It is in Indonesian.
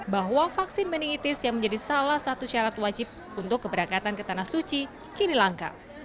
bahwa vaksin meningitis yang menjadi salah satu syarat wajib untuk keberangkatan ke tanah suci kini langka